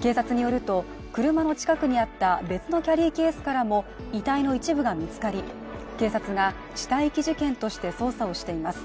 警察によると、車の近くにあった別のキャリーケースからも遺体の一部が見つかり、警察が死体遺棄事件として捜査をしています。